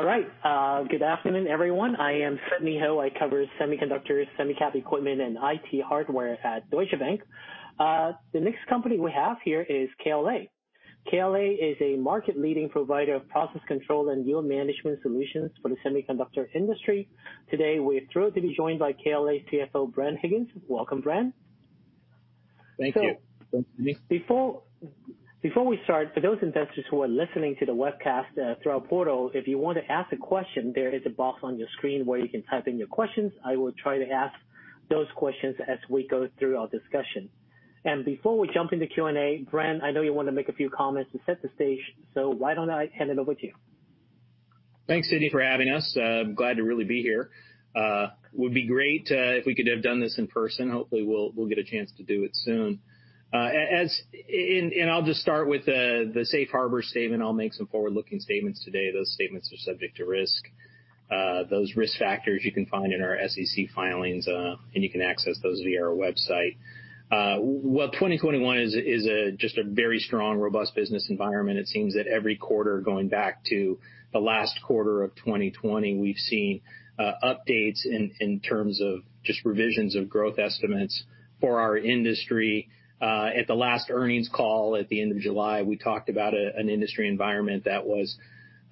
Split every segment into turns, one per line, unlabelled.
All right. Good afternoon, everyone. I am Sidney Ho. I cover semiconductors, semi-cap equipment, and IT hardware at Deutsche Bank. The next company we have here is KLA. KLA is a market-leading provider of process control and yield management solutions for the semiconductor industry. Today, we're thrilled to be joined by KLA CFO, Bren Higgins. Welcome, Bren.
Thank you.
Before we start, for those investors who are listening to the webcast through our portal, if you want to ask a question, there is a box on your screen where you can type in your questions. I will try to ask those questions as we go through our discussion. Before we jump into Q&A, Bren, I know you want to make a few comments to set the stage, so why don't I hand it over to you?
Thanks, Sidney, for having us. Glad to really be here. Would be great if we could have done this in person. Hopefully, we'll get a chance to do it soon. I'll just start with the safe harbor statement. I'll make some forward-looking statements today. Those statements are subject to risk. Those risk factors you can find in our SEC filings, and you can access those via our website. Well, 2021 is just a very strong, robust business environment. It seems that every quarter, going back to the last quarter of 2020, we've seen updates in terms of just revisions of growth estimates for our industry. At the last earnings call at the end of July, we talked about an industry environment that was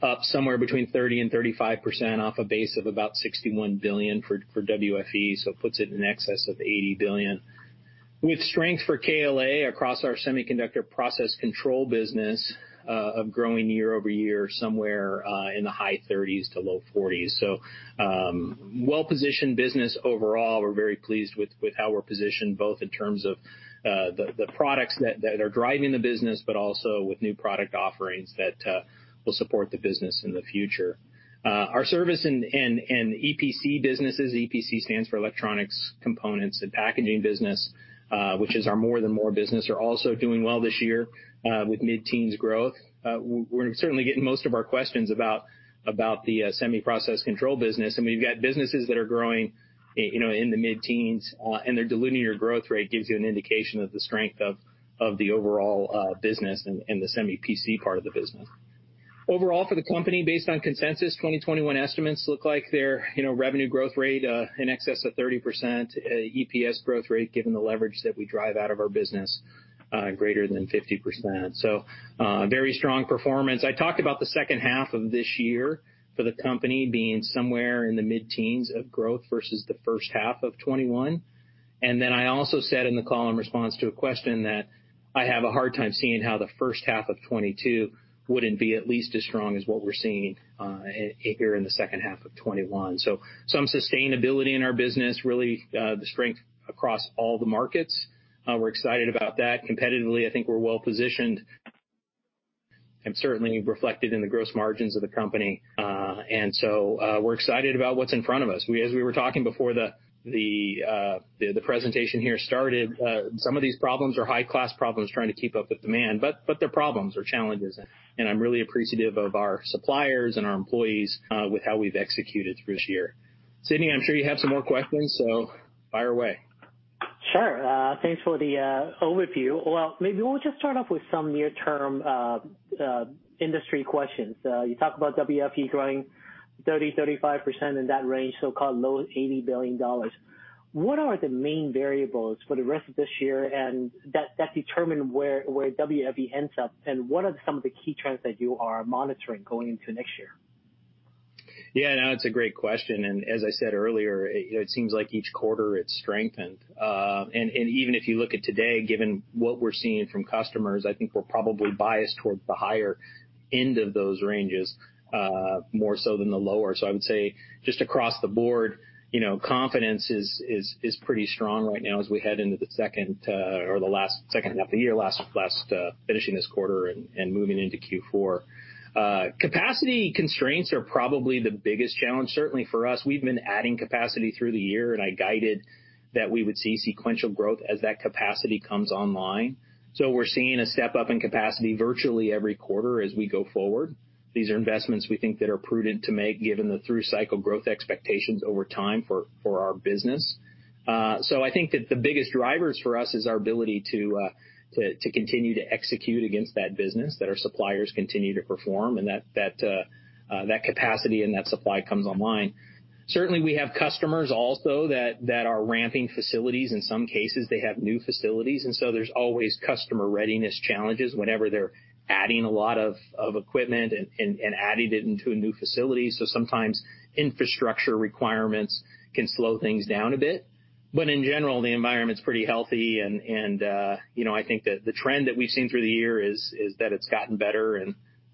up somewhere between 30%-35% off a base of about $61 billion for WFE, so it puts it in excess of $80 billion. With strength for KLA across our semiconductor process control business of growing year-over-year, somewhere in the high 30% to low 40%. Well-positioned business overall. We're very pleased with how we're positioned, both in terms of the products that are driving the business, but also with new product offerings that will support the business in the future. Our service and EPC businesses, EPC stands for electronics, components, and packaging business, which is our More than Moore business, are also doing well this year with mid-teens growth. We're certainly getting most of our questions about the semi process control business, and when you've got businesses that are growing in the mid-teens, and their diluting your growth rate gives you an indication of the strength of the overall business and the Semi PC part of the business. Overall for the company, based on consensus, 2021 estimates look like their revenue growth rate in excess of 30%, EPS growth rate, given the leverage that we drive out of our business, greater than 50%. Very strong performance. I talked about the second half of this year for the company being somewhere in the mid-teens of growth versus the first half of 2021. I also said in the call, in response to a question, that I have a hard time seeing how the first half of 2022 wouldn't be at least as strong as what we're seeing here in the second half of 2021. Some sustainability in our business, really the strength across all the markets. We're excited about that. Competitively, I think we're well-positioned, and certainly reflected in the gross margins of the company. We're excited about what's in front of us. As we were talking before the presentation here started, some of these problems are high-class problems, trying to keep up with demand, but they're problems or challenges, and I'm really appreciative of our suppliers and our employees with how we've executed through this year. Sidney, I'm sure you have some more questions, so fire away.
Sure. Thanks for the overview. Well, maybe we'll just start off with some near-term industry questions. You talk about WFE growing 30%-35% in that range, so call it low $80 billion. What are the main variables for the rest of this year, and that determine where WFE ends up, and what are some of the key trends that you are monitoring going into next year?
Yeah, no, it's a great question, and as I said earlier, it seems like each quarter it's strengthened. Even if you look at today, given what we're seeing from customers, I think we're probably biased towards the higher end of those ranges, more so than the lower. I would say just across the board, confidence is pretty strong right now as we head into the second or the last second half of the year, finishing this quarter and moving into Q4. Capacity constraints are probably the biggest challenge, certainly for us. We've been adding capacity through the year, and I guided that we would see sequential growth as that capacity comes online. We're seeing a step up in capacity virtually every quarter as we go forward. These are investments we think that are prudent to make given the through-cycle growth expectations over time for our business. I think that the biggest drivers for us is our ability to continue to execute against that business, that our suppliers continue to perform, and that capacity and that supply comes online. Certainly, we have customers also that are ramping facilities. In some cases, they have new facilities, there's always customer readiness challenges whenever they're adding a lot of equipment and adding it into a new facility. Sometimes infrastructure requirements can slow things down a bit. In general, the environment's pretty healthy, and I think that the trend that we've seen through the year is that it's gotten better,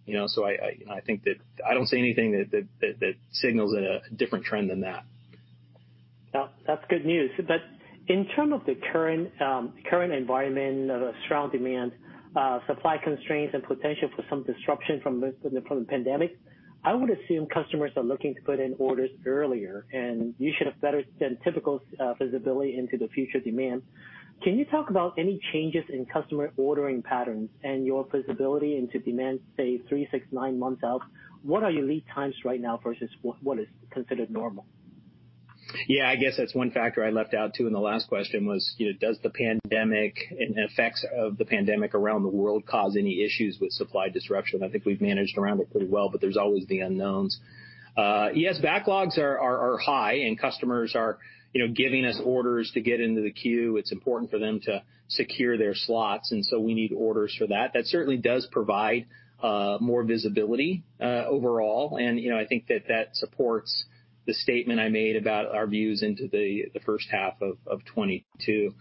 I don't see anything that signals a different trend than that.
That's good news. In terms of the current environment of a strong demand, supply constraints, and potential for some disruption from the pandemic, I would assume customers are looking to put in orders earlier, and you should have better than typical visibility into the future demand. Can you talk about any changes in customer ordering patterns and your visibility into demand, say, three, six, nine months out? What are your lead times right now versus what is considered normal?
Yeah, I guess that's one factor I left out, too, in the last question was, does the pandemic and effects of the pandemic around the world cause any issues with supply disruption? I think we've managed around it pretty well, but there's always the unknowns. Yes, backlogs are high, and customers are giving us orders to get into the queue. It's important for them to secure their slots, we need orders for that. That certainly does provide more visibility overall, I think that supports the statement I made about our views into the first half of 2022.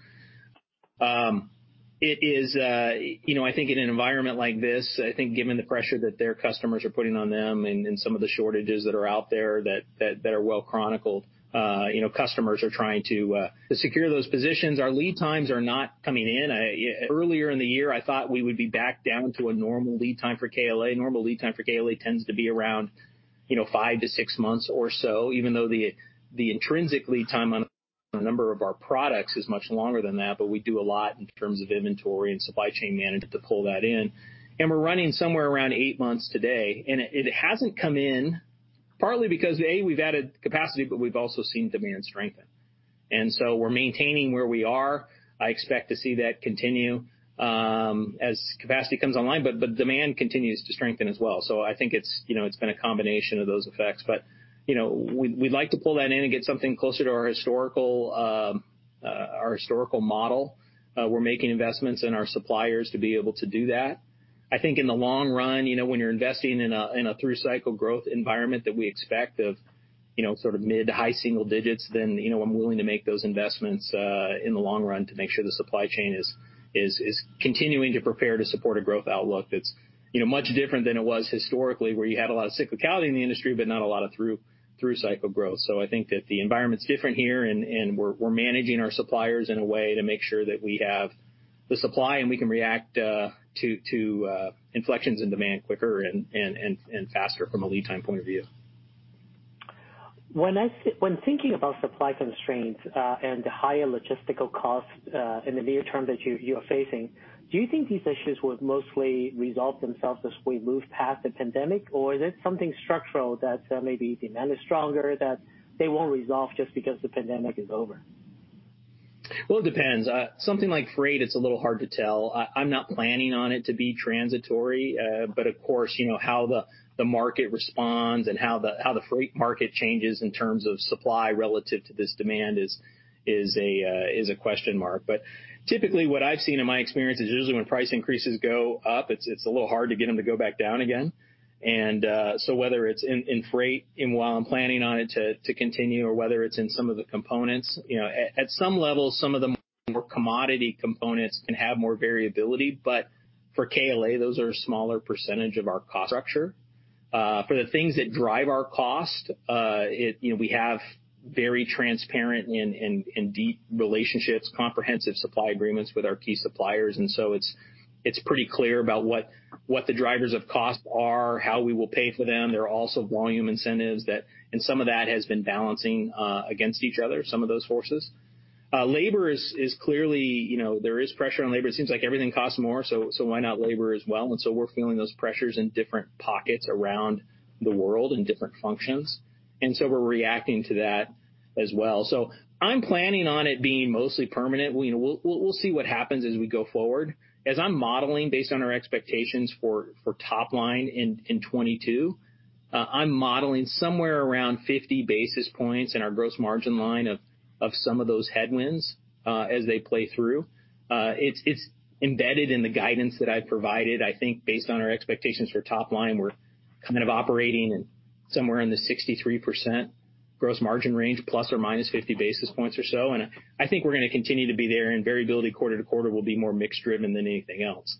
I think in an environment like this, I think given the pressure that their customers are putting on them and some of the shortages that are out there that are well chronicled, customers are trying to secure those positions. Our lead times are not coming in. Earlier in the year, I thought we would be back down to a normal lead time for KLA. Normal lead time for KLA tends to be around five to six months or so, even though the intrinsic lead time on a number of our products is much longer than that, but we do a lot in terms of inventory and supply chain management to pull that in. We're running somewhere around eight months today, and it hasn't come in partly because, A, we've added capacity, but we've also seen demand strengthen. We're maintaining where we are. I expect to see that continue as capacity comes online, but demand continues to strengthen as well. I think it's been a combination of those effects. We'd like to pull that in and get something closer to our historical model. We're making investments in our suppliers to be able to do that. I think in the long run, when you're investing in a through-cycle growth environment that we expect of sort of mid-high single digits, then I'm willing to make those investments in the long run to make sure the supply chain is continuing to prepare to support a growth outlook that's much different than it was historically, where you had a lot of cyclicality in the industry, but not a lot of through-cycle growth. I think that the environment's different here, and we're managing our suppliers in a way to make sure that we have the supply, and we can react to inflections in demand quicker and faster from a lead time point of view.
When thinking about supply constraints and the higher logistical costs in the near term that you are facing, do you think these issues will mostly resolve themselves as we move past the pandemic, or is it something structural that maybe demand is stronger that they won't resolve just because the pandemic is over?
Well, it depends. Something like freight, it's a little hard to tell. I'm not planning on it to be transitory, of course, how the market responds and how the freight market changes in terms of supply relative to this demand is a question mark. Typically, what I've seen in my experience is usually when price increases go up, it's a little hard to get them to go back down again. Whether it's in freight, and while I'm planning on it to continue, or whether it's in some of the components. At some level, some of the more commodity components can have more variability, for KLA, those are a smaller percentage of our cost structure. For the things that drive our cost, we have very transparent and deep relationships, comprehensive supply agreements with our key suppliers, and so it's pretty clear about what the drivers of cost are, how we will pay for them. There are also volume incentives, and some of that has been balancing against each other, some of those forces. Labor is clearly, there is pressure on labor. It seems like everything costs more, so why not labor as well? We're feeling those pressures in different pockets around the world, in different functions, and so we're reacting to that as well. I'm planning on it being mostly permanent. We'll see what happens as we go forward. As I'm modeling, based on our expectations for top line in 2022, I'm modeling somewhere around 50 basis points in our gross margin line of some of those headwinds as they play through. It's embedded in the guidance that I've provided. I think based on our expectations for top line, we're kind of operating somewhere in the 63% gross margin range, ±50 basis points or so, and I think we're going to continue to be there, and variability quarter to quarter will be more mix-driven than anything else.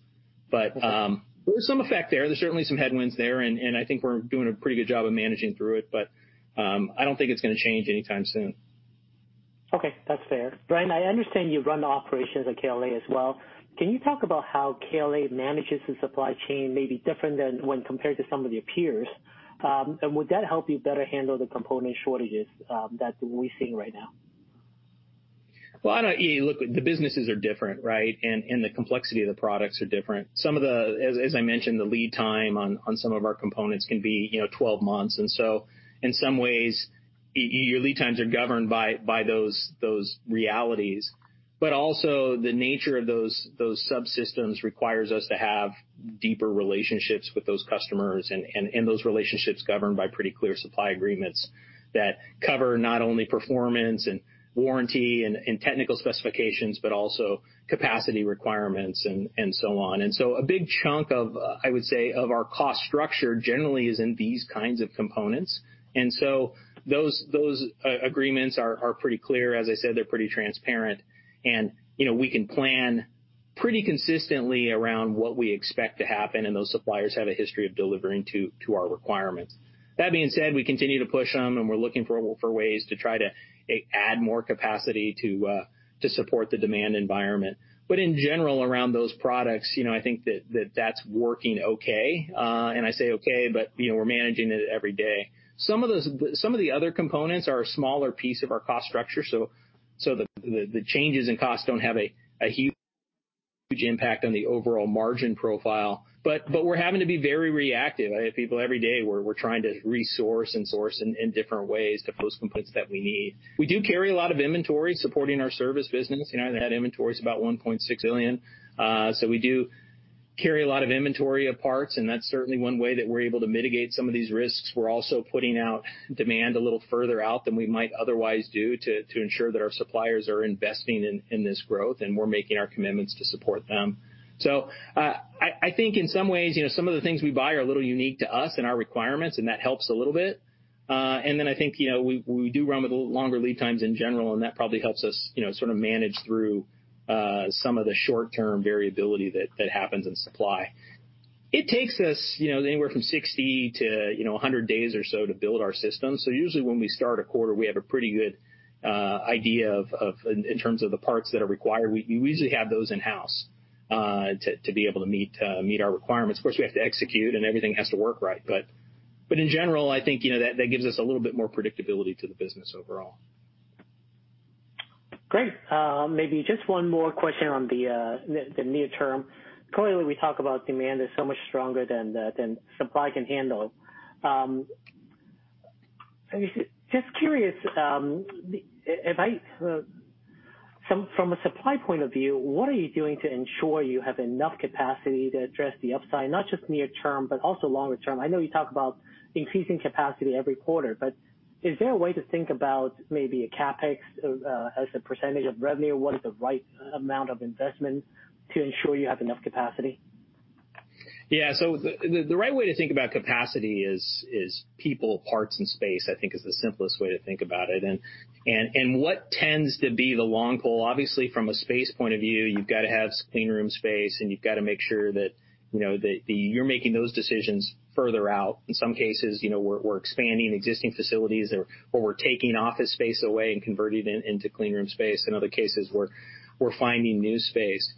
There's some effect there. There's certainly some headwinds there, and I think we're doing a pretty good job of managing through it, but I don't think it's going to change anytime soon.
Okay. That's fair. Bren, I understand you run the operations at KLA as well. Can you talk about how KLA manages the supply chain maybe different than when compared to some of the peers? Would that help you better handle the component shortages that we're seeing right now?
Well, look, the businesses are different, right? The complexity of the products are different. As I mentioned, the lead time on some of our components can be 12 months, in some ways, your lead times are governed by those realities. Also, the nature of those subsystems requires us to have deeper relationships with those customers, those relationships governed by pretty clear supply agreements that cover not only performance and warranty and technical specifications, but also capacity requirements and so on. A big chunk, I would say, of our cost structure generally is in these kinds of components. Those agreements are pretty clear. As I said, they're pretty transparent. We can plan pretty consistently around what we expect to happen, those suppliers have a history of delivering to our requirements. That being said, we continue to push them, and we're looking for ways to try to add more capacity to support the demand environment. In general, around those products, I think that that's working okay. I say okay, but we're managing it every day. Some of the other components are a smaller piece of our cost structure, the changes in cost don't have a huge impact on the overall margin profile. We're having to be very reactive. I have people every day, we're trying to resource and source in different ways to [source] components that we need. We do carry a lot of inventory supporting our service business. That inventory is about $1.6 billion. We do carry a lot of inventory of parts, and that's certainly one way that we're able to mitigate some of these risks. We're also putting out demand a little further out than we might otherwise do to ensure that our suppliers are investing in this growth, and we're making our commitments to support them. I think in some ways, some of the things we buy are a little unique to us and our requirements, and that helps a little bit. Then I think, we do run with longer lead times in general, and that probably helps us sort of manage through some of the short-term variability that happens in supply. It takes us anywhere from 60-100 days or so to build our systems. Usually when we start a quarter, we have a pretty good idea in terms of the parts that are required. We usually have those in-house to be able to meet our requirements. Of course, we have to execute, and everything has to work right. In general, I think that gives us a little bit more predictability to the business overall.
Great. Maybe just one more question on the near term. Currently, we talk about demand is so much stronger than supply can handle. Just curious, from a supply point of view, what are you doing to ensure you have enough capacity to address the upside, not just near term, but also longer term? I know you talk about increasing capacity every quarter. Is there a way to think about maybe a CapEx as a percentage of revenue? What is the right amount of investment to ensure you have enough capacity?
Yeah. The right way to think about capacity is people, parts, and space, I think is the simplest way to think about it. What tends to be the long pole, obviously from a space point of view, you've got to have clean room space, and you've got to make sure that you're making those decisions further out. In some cases, we're expanding existing facilities or we're taking office space away and converting it into clean room space. In other cases, we're finding new space.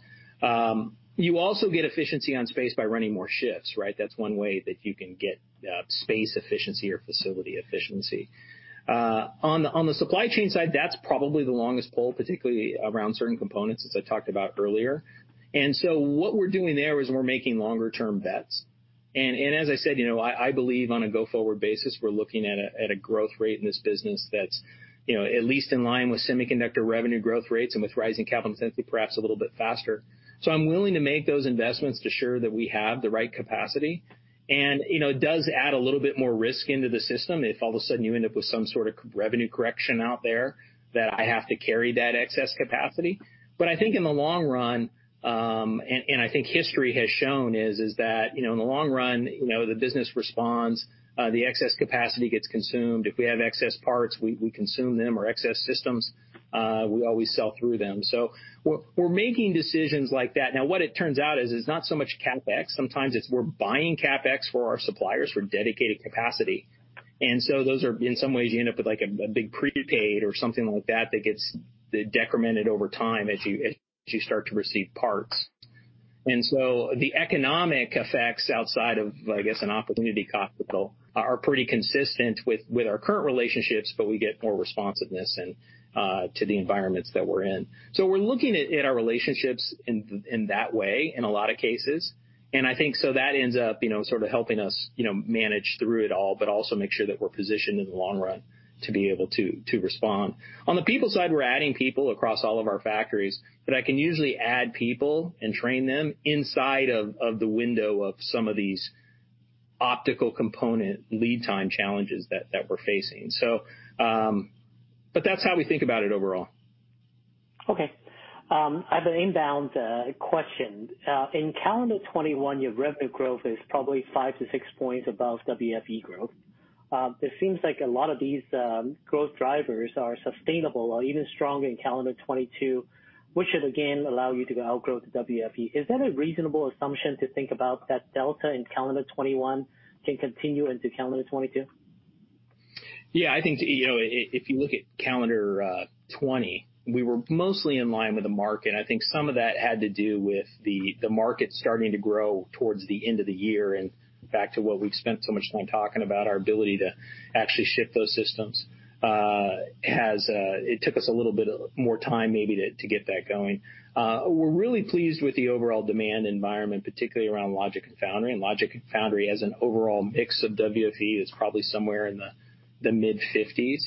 You also get efficiency on space by running more shifts, right? That's one way that you can get space efficiency or facility efficiency. On the supply chain side, that's probably the longest pole, particularly around certain components, as I talked about earlier. What we're doing there is we're making longer term bets. As I said, I believe on a go-forward basis, we're looking at a growth rate in this business that's at least in line with semiconductor revenue growth rates and with rising capital intensity, perhaps a little bit faster. I'm willing to make those investments to ensure that we have the right capacity. It does add a little bit more risk into the system if all of a sudden you end up with some sort of revenue correction out there that I have to carry that excess capacity. I think in the long run, and I think history has shown is that, in the long run, the business responds, the excess capacity gets consumed. If we have excess parts, we consume them, or excess systems, we always sell through them. We're making decisions like that. What it turns out is not so much CapEx. Sometimes it's we're buying CapEx for our suppliers for dedicated capacity. Those are, in some ways, you end up with like a big prepaid or something like that gets decremented over time as you start to receive parts. The economic effects outside of, I guess, an opportunity cost are pretty consistent with our current relationships, but we get more responsiveness to the environments that we're in. We're looking at our relationships in that way in a lot of cases. I think so that ends up sort of helping us manage through it all, but also make sure that we're positioned in the long run to be able to respond. On the people side, we're adding people across all of our factories, but I can usually add people and train them inside of the window of some of these optical component lead time challenges that we're facing. That's how we think about it overall.
Okay. I have an inbound question. In calendar 2021, your revenue growth is probably 5 to 6 points above WFE growth. It seems like a lot of these growth drivers are sustainable or even stronger in calendar 2022, which should again allow you to outgrow the WFE. Is that a reasonable assumption to think about that delta in calendar 2021 can continue into calendar 2022?
Yeah, I think if you look at calendar 2020, we were mostly in line with the market. I think some of that had to do with the market starting to grow towards the end of the year, back to what we've spent so much time talking about our ability to actually ship those systems. It took us a little bit more time maybe to get that going. We're really pleased with the overall demand environment, particularly around logic and foundry. Logic and foundry as an overall mix of WFE is probably somewhere in the mid-50%.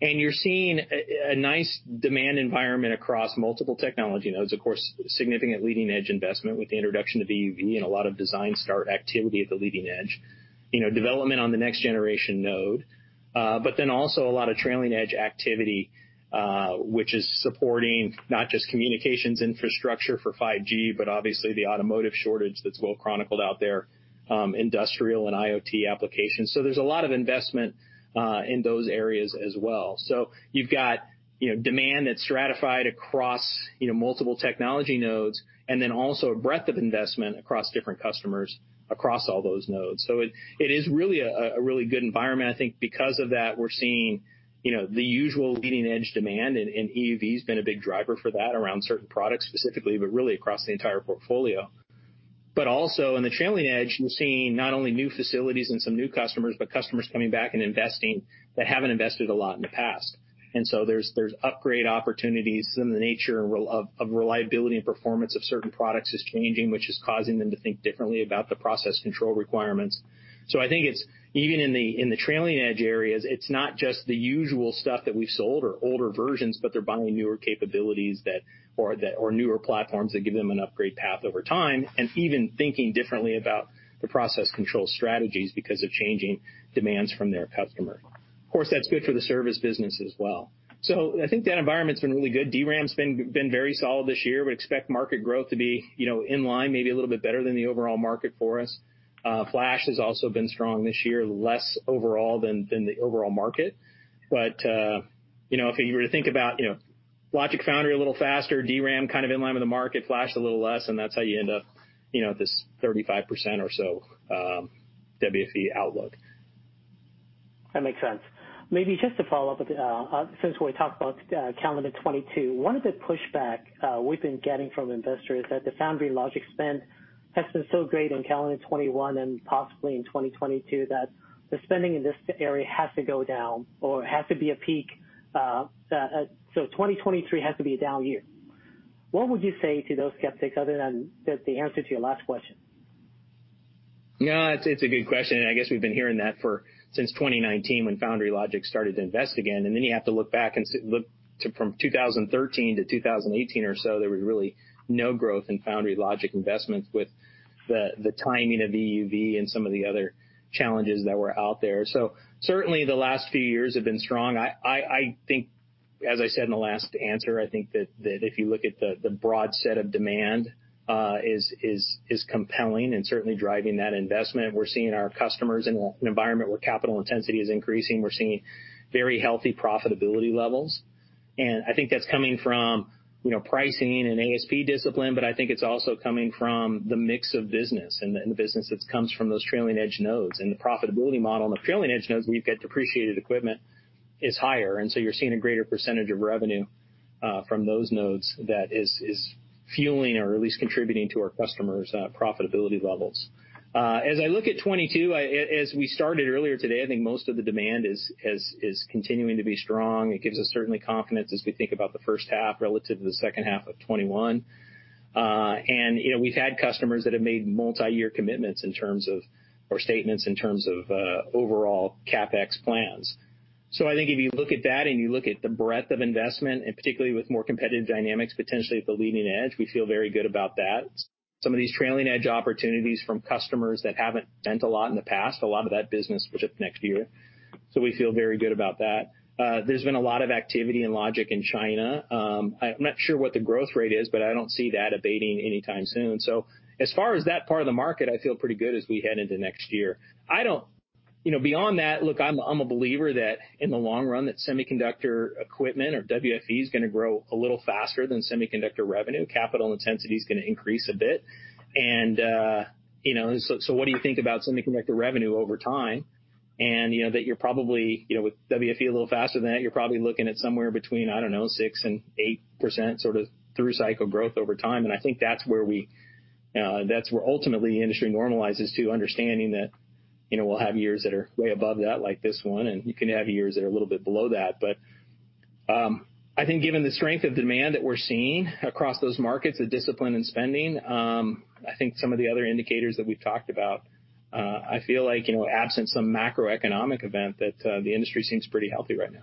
You're seeing a nice demand environment across multiple technology nodes. Of course, significant leading-edge investment with the introduction of EUV and a lot of design start activity at the leading edge, development on the next generation node. Also a lot of trailing edge activity, which is supporting not just communications infrastructure for 5G, but obviously the automotive shortage that's well chronicled out there, industrial and IoT applications. There's a lot of investment in those areas as well. You've got demand that's stratified across multiple technology nodes also a breadth of investment across different customers across all those nodes. It is really a good environment. I think because of that, we're seeing the usual leading-edge demand, and EUV has been a big driver for that around certain products specifically, but really across the entire portfolio. Also in the trailing edge, you're seeing not only new facilities and some new customers, but customers coming back and investing that haven't invested a lot in the past. There's upgrade opportunities, some of the nature of reliability and performance of certain products is changing, which is causing them to think differently about the process control requirements. I think even in the trailing edge areas, it's not just the usual stuff that we've sold or older versions, but they're buying newer capabilities or newer platforms that give them an upgrade path over time, and even thinking differently about the process control strategies because of changing demands from their customer. Of course, that's good for the service business as well. I think that environment's been really good. DRAM's been very solid this year. We expect market growth to be in line, maybe a little bit better than the overall market for us. Flash has also been strong this year, less overall than the overall market. If you were to think about logic foundry a little faster, DRAM kind of in line with the market, flash a little less, and that's how you end up this 35% or so WFE outlook.
That makes sense. Maybe just to follow up, since we talked about calendar 2022, one of the pushback we've been getting from investors is that the foundry logic spend has been so great in calendar 2021 and possibly in 2022, that the spending in this area has to go down or has to be a peak. 2023 has to be a down year. What would you say to those skeptics other than just the answer to your last question?
No, it's a good question, and I guess we've been hearing that since 2019 when foundry logic started to invest again. Then you have to look back from 2013 to 2018 or so, there was really no growth in foundry logic investments with the timing of EUV and some of the other challenges that were out there. Certainly the last few years have been strong. As I said in the last answer, I think that if you look at the broad set of demand is compelling and certainly driving that investment. We're seeing our customers in an environment where capital intensity is increasing. We're seeing very healthy profitability levels, and I think that's coming from pricing and ASP discipline, but I think it's also coming from the mix of business and the business that comes from those trailing edge nodes. The profitability model in the trailing edge nodes, where you've got depreciated equipment, is higher, and so you're seeing a greater percentage of revenue from those nodes that is fueling or at least contributing to our customers' profitability levels. As I look at 2022, as we started earlier today, I think most of the demand is continuing to be strong. It gives us certainly confidence as we think about the first half relative to the second half of 2021. We've had customers that have made multi-year commitments or statements in terms of overall CapEx plans. I think if you look at that and you look at the breadth of investment, and particularly with more competitive dynamics, potentially at the leading edge, we feel very good about that. Some of these trailing edge opportunities from customers that haven't spent a lot in the past, a lot of that business, which is next year. We feel very good about that. There's been a lot of activity in logic in China. I'm not sure what the growth rate is, but I don't see that abating anytime soon. As far as that part of the market, I feel pretty good as we head into next year. Beyond that, look, I'm a believer that in the long run, that semiconductor equipment or WFE is going to grow a little faster than semiconductor revenue. Capital intensity is going to increase a bit. What do you think about semiconductor revenue over time? That you're probably, with WFE a little faster than that, you're probably looking at somewhere between, I don't know, 6%-8% sort of through cycle growth over time. I think that's where ultimately the industry normalizes to understanding that we'll have years that are way above that, like this one, and you can have years that are a little bit below that. I think given the strength of demand that we're seeing across those markets, the discipline in spending, I think some of the other indicators that we've talked about, I feel like, absent some macroeconomic event, that the industry seems pretty healthy right now.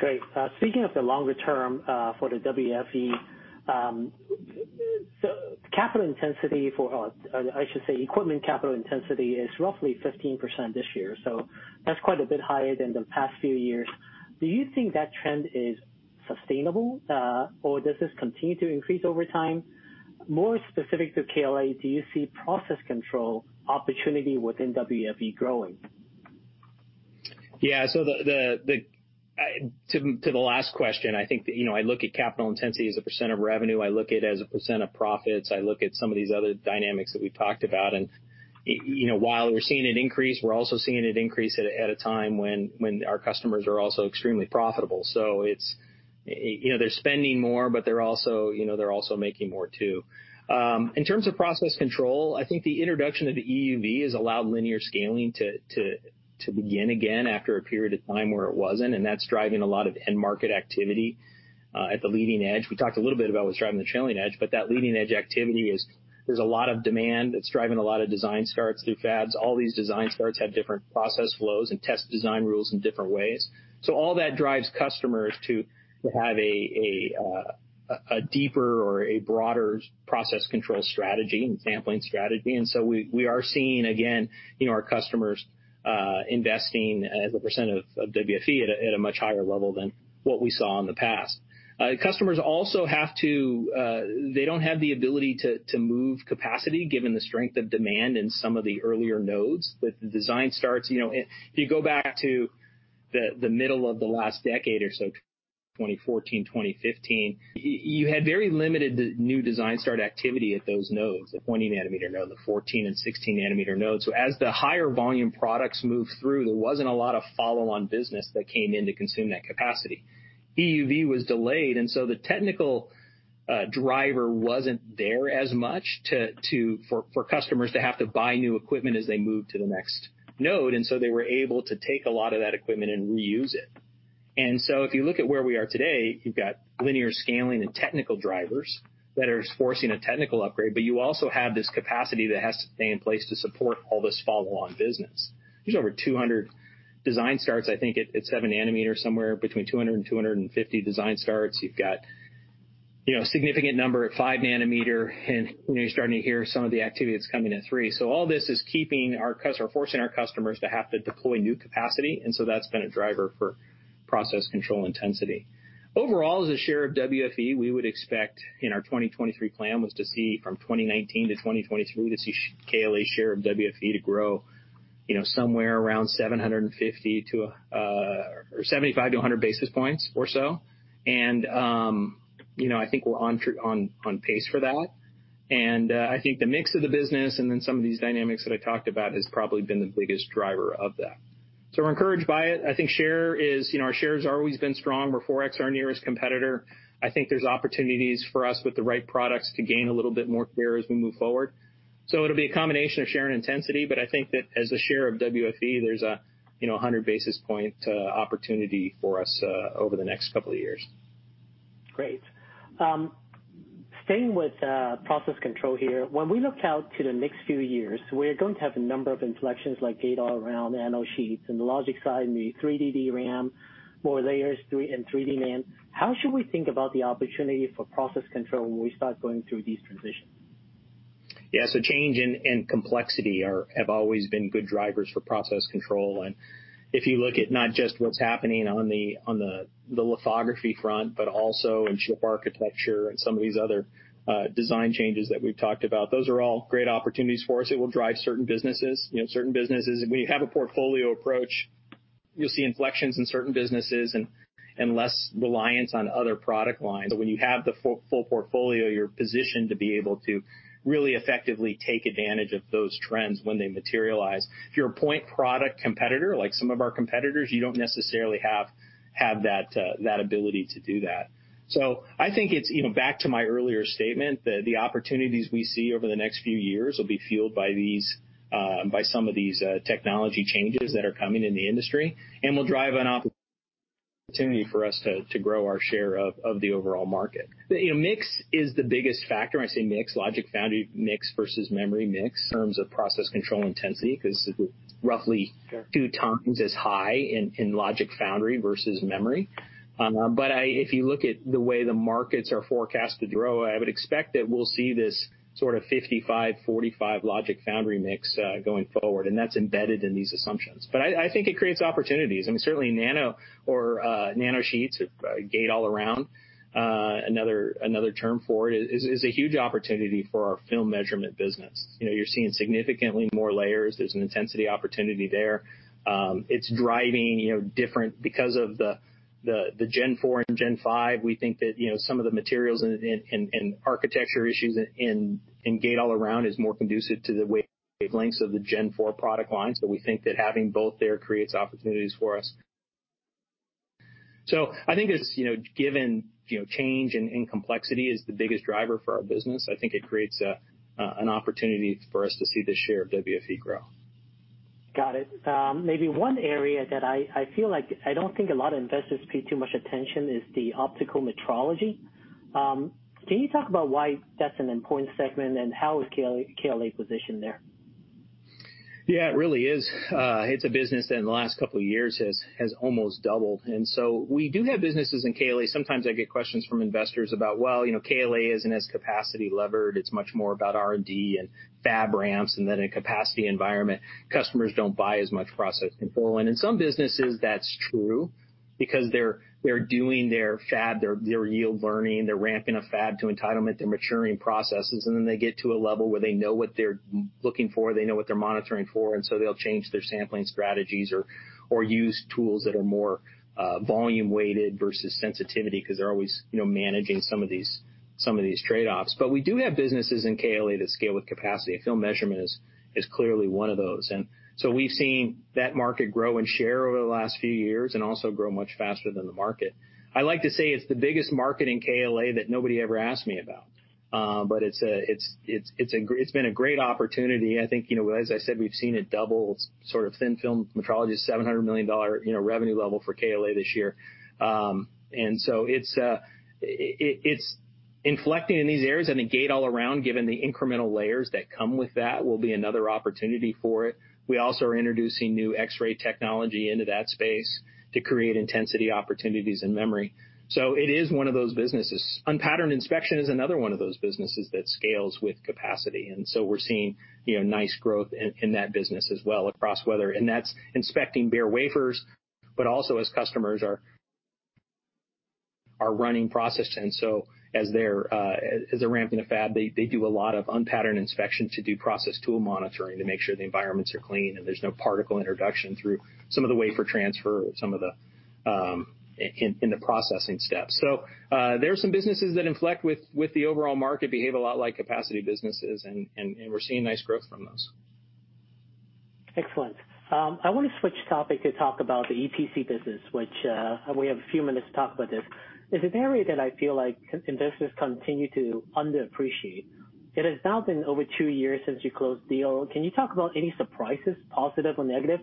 Great. Speaking of the longer term, for the WFE, capital intensity for I should say equipment capital intensity is roughly 15% this year. That's quite a bit higher than the past few years. Do you think that trend is sustainable, or does this continue to increase over time? More specific to KLA, do you see process control opportunity within WFE growing?
Yeah. To the last question, I look at capital intensity as a percent of revenue. I look at it as a percent of profits. I look at some of these other dynamics that we've talked about, and while we're seeing it increase, we're also seeing it increase at a time when our customers are also extremely profitable. They're spending more, but they're also making more, too. In terms of process control, I think the introduction of the EUV has allowed linear scaling to begin again after a period of time where it wasn't, and that's driving a lot of end market activity at the leading edge. We talked a little bit about what's driving the trailing edge, but that leading edge activity is there's a lot of demand that's driving a lot of design starts through fabs. All these design starts have different process flows and test design rules in different ways. All that drives customers to have a deeper or a broader process control strategy and sampling strategy. We are seeing, again, our customers investing as a percentage of WFE at a much higher level than what we saw in the past. Customers also don't have the ability to move capacity given the strength of demand in some of the earlier nodes. The design starts, if you go back to the middle of the last decade or so, 2014, 2015, you had very limited new design start activity at those nodes, the 20 nm node, the 14 nm and 16 nm nodes. As the higher volume products moved through, there wasn't a lot of follow-on business that came in to consume that capacity. EUV was delayed, the technical driver wasn't there as much for customers to have to buy new equipment as they moved to the next node. They were able to take a lot of that equipment and reuse it. If you look at where we are today, you've got linear scaling and technical drivers that are forcing a technical upgrade, but you also have this capacity that has to stay in place to support all this follow-on business. There's over 200 design starts, I think, at 7 nm, somewhere between 200 and 250 design starts. You've got a significant number at 5 nm, and you're starting to hear some of the activity that's coming at 3 nm. All this is forcing our customers to have to deploy new capacity, and so that's been a driver for process control intensity. As a share of WFE, we would expect in our 2023 plan was to see from 2019 to 2023, to see KLA's share of WFE to grow somewhere around 75-100 basis points or so. I think we're on pace for that. I think the mix of the business and then some of these dynamics that I talked about has probably been the biggest driver of that. We're encouraged by it. Our share has always been strong. We're 4X our nearest competitor. I think there's opportunities for us with the right products to gain a little bit more share as we move forward. It'll be a combination of share and intensity, I think that as a share of WFE, there's a 100 basis point opportunity for us, over the next couple of years.
Great. Staying with process control here. When we look out to the next few years, we're going to have a number of inflections like Gate-All-Around nanosheet and the logic side and the 3D DRAM, more layers, and 3D NAND. How should we think about the opportunity for process control when we start going through these transitions?
Yeah. Change and complexity have always been good drivers for process control. If you look at not just what's happening on the lithography front, but also in chip architecture and some of these other design changes that we've talked about, those are all great opportunities for us. It will drive certain businesses. When you have a portfolio approach, you'll see inflections in certain businesses and less reliance on other product lines. When you have the full portfolio, you're positioned to be able to really effectively take advantage of those trends when they materialize. If you're a point product competitor, like some of our competitors, you don't necessarily have that ability to do that. I think it's back to my earlier statement, that the opportunities we see over the next few years will be fueled by some of these technology changes that are coming in the industry and will drive an opportunity for us to grow our share of the overall market. Mix is the biggest factor, when I say mix, logic foundry mix versus memory mix in terms of process control intensity, because it's roughly 2x as high in logic foundry versus memory. If you look at the way the markets are forecasted to grow, I would expect that we'll see this sort of 55/45 logic foundry mix, going forward, and that's embedded in these assumptions. I think it creates opportunities. Certainly nano or nanosheets, Gate-All-Around, another term for it, is a huge opportunity for our film measurement business. You're seeing significantly more layers. There's an intensity opportunity there. Because of the Gen 4 and Gen 5, we think that some of the materials and architecture issues in Gate-All-Around is more conducive to the wavelengths of the Gen 4 product line. We think that having both there creates opportunities for us. I think given change and complexity is the biggest driver for our business, I think it creates an opportunity for us to see the share of WFE grow.
Got it. Maybe one area that I feel like I don't think a lot of investors pay too much attention is the optical metrology. Can you talk about why that's an important segment and how is KLA positioned there?
Yeah, it really is. It's a business that in the last couple of years has almost doubled. We do have businesses in KLA. Sometimes I get questions from investors about, well, KLA isn't as capacity levered. It's much more about R&D and fab ramps, and that in a capacity environment, customers don't buy as much process control. In some businesses, that's true because they're doing their fab, their yield learning, they're ramping a fab to entitlement, they're maturing processes, and then they get to a level where they know what they're looking for, they know what they're monitoring for, and so they'll change their sampling strategies or use tools that are more volume-weighted versus sensitivity because they're always managing some of these trade-offs. We do have businesses in KLA that scale with capacity. Film measurement is clearly one of those. We've seen that market grow in share over the last few years and also grow much faster than the market. I like to say it's the biggest market in KLA that nobody ever asked me about. It's been a great opportunity. I think, as I said, we've seen it double. Thin-film metrology is a $700 million revenue level for KLA this year. It's inflecting in these areas, and the Gate-All-Around, given the incremental layers that come with that, will be another opportunity for it. We also are introducing new X-ray technology into that space to create intensity opportunities in memory. It is one of those businesses. Unpatterned inspection is another one of those businesses that scales with capacity, and so we're seeing nice growth in that business as well across weather. That's inspecting bare wafers, but also as customers are running processes. As they're ramping a fab, they do a lot of unpatterned inspection to do process tool monitoring to make sure the environments are clean and there's no particle introduction through some of the wafer transfer in the processing steps. There are some businesses that inflect with the overall market, behave a lot like capacity businesses, and we're seeing nice growth from those.
Excellent. I want to switch topic to talk about the EPC business, which we have a few minutes to talk about this. It's an area that I feel like investors continue to underappreciate. It has now been over two years since you closed the deal. Can you talk about any surprises, positive or negative,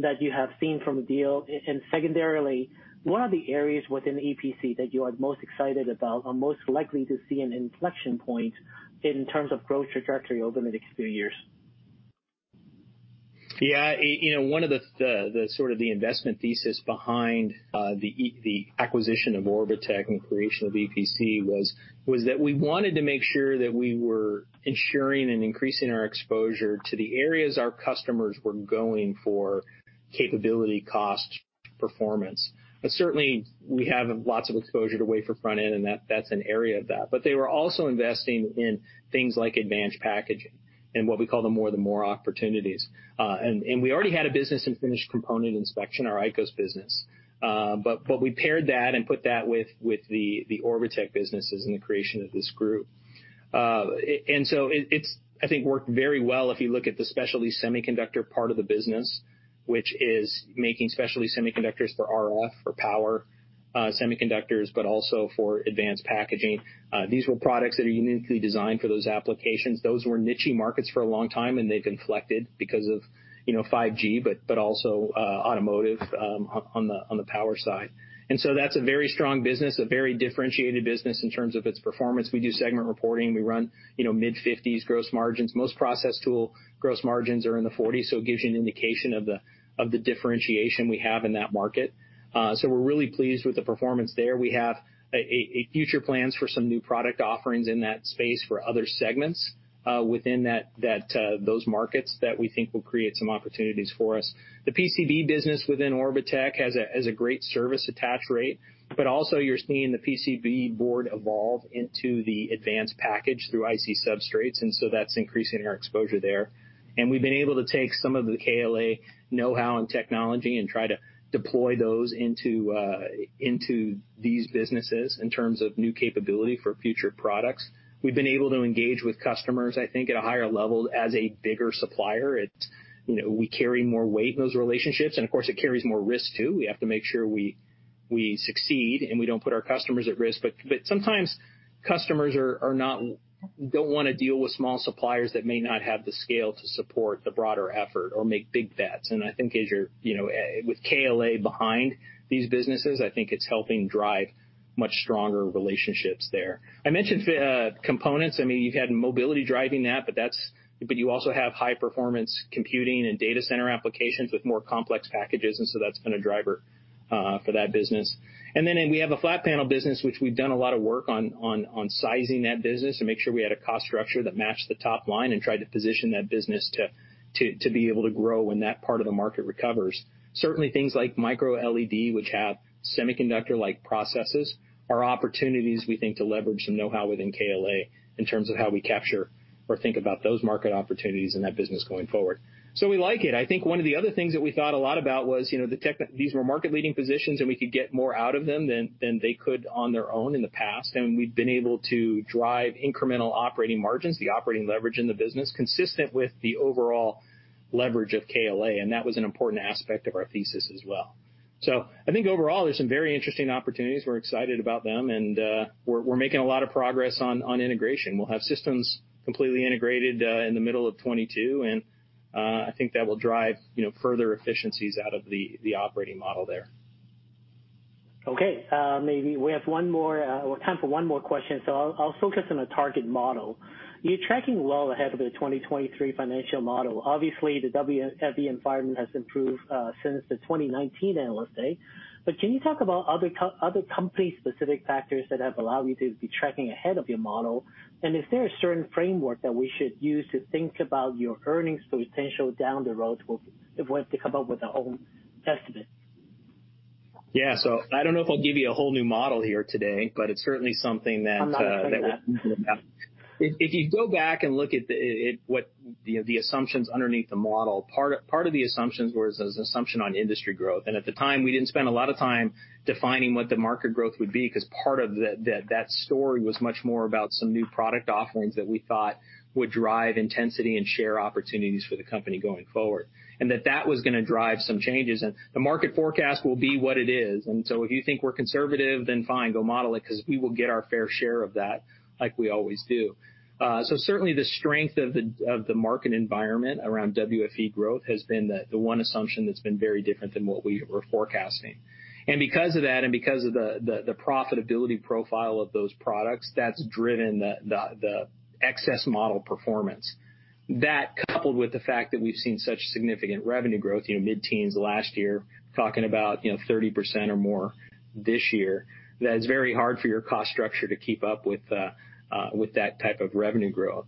that you have seen from the deal? Secondarily, what are the areas within EPC that you are most excited about or most likely to see an inflection point in terms of growth trajectory over the next few years?
Yeah. One of the sort of the investment thesis behind the acquisition of Orbotech and the creation of EPC was that we wanted to make sure that we were ensuring and increasing our exposure to the areas our customers were going for capability, cost, performance. Certainly, we have lots of exposure to wafer front-end, and that's an area of that. They were also investing in things like advanced packaging and what we call the Moore opportunities. We already had a business in finished component inspection, our ICOS business. We paired that and put that with the Orbotech businesses in the creation of this group. It's, I think, worked very well if you look at the specialty semiconductor part of the business, which is making specialty semiconductors for RF, for power semiconductors, but also for advanced packaging. These were products that are uniquely designed for those applications. Those were niche-y markets for a long time, and they've inflected because of 5G, but also automotive on the power side. That's a very strong business, a very differentiated business in terms of its performance. We do segment reporting. We run mid-50% gross margins. Most process tool gross margins are in the 40%, so it gives you an indication of the differentiation we have in that market. We're really pleased with the performance there. We have future plans for some new product offerings in that space for other segments within those markets that we think will create some opportunities for us. The PCB business within Orbotech has a great service attach rate, but also you're seeing the PCB board evolve into the advanced package through IC substrates, and so that's increasing our exposure there. We've been able to take some of the KLA know-how and technology and try to deploy those into these businesses in terms of new capability for future products. We've been able to engage with customers, I think, at a higher level as a bigger supplier. We carry more weight in those relationships, and of course, it carries more risk, too. We have to make sure we succeed, and we don't put our customers at risk. Sometimes customers don't want to deal with small suppliers that may not have the scale to support the broader effort or make big bets. I think with KLA behind these businesses, I think it's helping drive much stronger relationships there. I mentioned components. You've had mobility driving that, but you also have high-performance computing and data center applications with more complex packages, and so that's been a driver for that business. We have a flat panel business, which we've done a lot of work on sizing that business to make sure we had a cost structure that matched the top line and tried to position that business to be able to grow when that part of the market recovers. Certainly, things like microLED, which have semiconductor-like processes, are opportunities we think to leverage some know-how within KLA in terms of how we capture or think about those market opportunities in that business going forward. We like it, I think one of the other things that we thought a lot about was these were market-leading positions, and we could get more out of them than they could on their own in the past. We've been able to drive incremental operating margins, the operating leverage in the business, consistent with the overall leverage of KLA, and that was an important aspect of our thesis as well. I think overall, there's some very interesting opportunities. We're excited about them, and we're making a lot of progress on integration. We'll have systems completely integrated in the middle of 2022, and I think that will drive further efficiencies out of the operating model there.
Okay. Maybe we have time for one more question, so I'll focus on a target model. You're tracking well ahead of the 2023 financial model. Obviously, the WFE environment has improved since the 2019 Analyst Day. Can you talk about other company-specific factors that have allowed you to be tracking ahead of your model? Is there a certain framework that we should use to think about your earnings potential down the road if we have to come up with a whole estimate?
Yeah. I don't know if I'll give you a whole new model here today, but it's certainly something that.
I'm not expecting that.
If you go back and look at the assumptions underneath the model, part of the assumptions was this assumption on industry growth. At the time, we didn't spend a lot of time defining what the market growth would be because part of that story was much more about some new product offerings that we thought would drive intensity and share opportunities for the company going forward, and that that was going to drive some changes. The market forecast will be what it is. If you think we're conservative, then fine, go model it because we will get our fair share of that like we always do. Certainly, the strength of the market environment around WFE growth has been the one assumption that's been very different than what we were forecasting. Because of that and because of the profitability profile of those products, that's driven the excess model performance. That, coupled with the fact that we've seen such significant revenue growth, mid-teens last year, talking about 30% or more this year, that it's very hard for your cost structure to keep up with that type of revenue growth.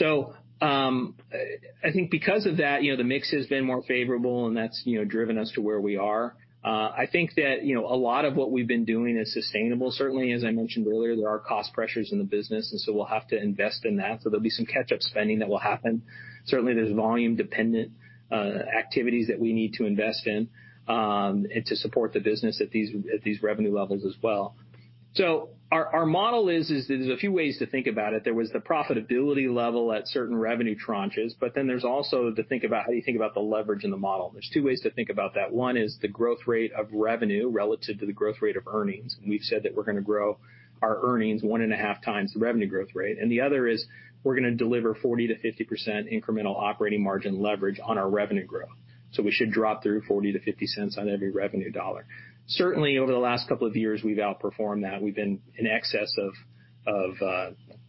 I think because of that, the mix has been more favorable, and that's driven us to where we are. I think that a lot of what we've been doing is sustainable. Certainly, as I mentioned earlier, there are cost pressures in the business, and so we'll have to invest in that. There'll be some catch-up spending that will happen. Certainly, there's volume-dependent activities that we need to invest in to support the business at these revenue levels as well. Our model is, there's a few ways to think about it. There was the profitability level at certain revenue tranches, there's also how you think about the leverage in the model, and there's two ways to think about that. One is the growth rate of revenue relative to the growth rate of earnings. We've said that we're going to grow our earnings 1.5x the revenue growth rate. The other is we're going to deliver 40%-50% incremental operating margin leverage on our revenue growth. We should drop through $0.40-$0.50 on every revenue dollar. Certainly, over the last two years, we've outperformed that. We've been in excess of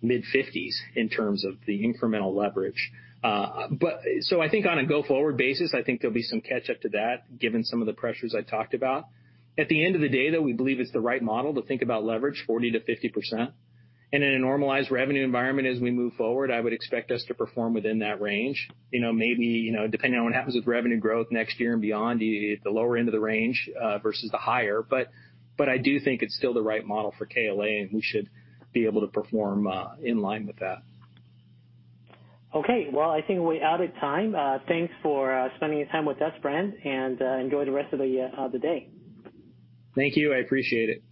mid-50% in terms of the incremental leverage. I think on a go-forward basis, I think there'll be some catch-up to that, given some of the pressures I talked about. At the end of the day, though, we believe it's the right model to think about leverage 40%-50%. In a normalized revenue environment as we move forward, I would expect us to perform within that range. Maybe, depending on what happens with revenue growth next year and beyond, the lower end of the range versus the higher. I do think it's still the right model for KLA, and we should be able to perform in line with that.
Okay. Well, I think we're out of time. Thanks for spending the time with us, Bren Higgins, and enjoy the rest of the day.
Thank you. I appreciate it.